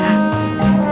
dia mencari putri pri